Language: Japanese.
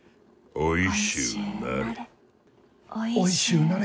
おいしゅうなれ。